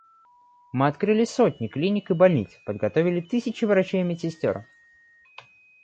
Мы открыли сотни клиник и больниц, подготовили тысячи врачей и медсестер.